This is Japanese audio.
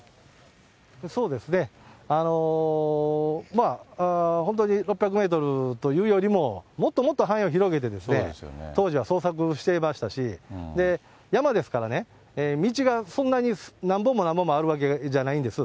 そうですね、本当に６００メートルというよりももっともっと範囲を広げて、当時は捜索していましたし、山ですからね、道がそんなに何本も何本もあるわけじゃないんです。